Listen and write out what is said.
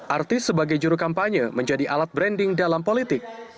artis sebagai juru kampanye menjadi alat branding dalam politik